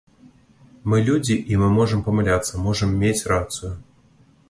Мы людзі, і мы можам памыляцца, можам мець рацыю.